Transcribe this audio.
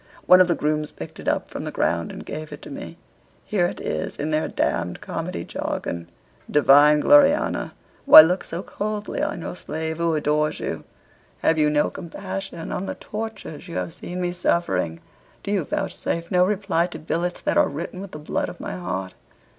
One of the grooms picked it up from the ground and gave it me. Here it is in their d d comedy jargon. 'Divine Gloriana Why look so coldly on your slave who adores you? Have you no compassion on the tortures you have seen me suffering? Do you vouchsafe no reply to billets that are written with the blood of my heart.'